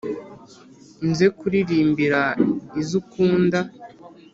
nze nkuririmbira izo ukunda